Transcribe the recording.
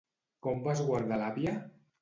Com va esguardar l'àvia?